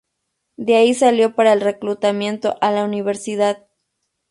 De ahí salió para el reclutamiento a la universidad.